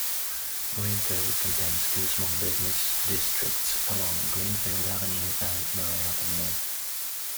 Greenfield contains two small business districts along Greenfield Avenue and Murray Avenue.